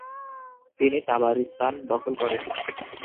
তিনি তাবারিস্তান দখল করেন।